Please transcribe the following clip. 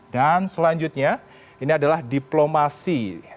dan selanjutnya ini adalah diplomasi